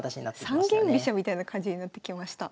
三間飛車みたいな感じになってきました。